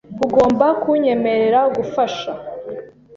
Ugomba kunyemerera gufasha .